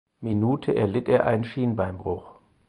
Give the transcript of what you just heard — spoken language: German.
Minute erlitt er einen Schienbeinbruch.